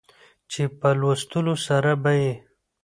چې په لوستلو سره به يې